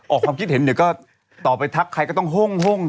ออกความคิดเห็นเดี๋ยวก็ต่อไปทักใครก็ต้องห้ง